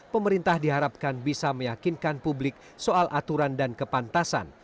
pemerintah diharapkan bisa meyakinkan publik soal aturan dan kepantasan